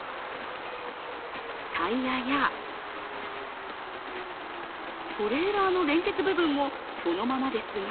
タイヤやトレーラーの連結部分もそのままですが、